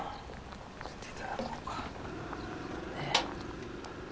ちょっといただこうか。